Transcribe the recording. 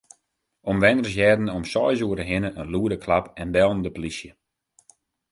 Omwenners hearden om seis oere hinne in lûde klap en bellen de plysje.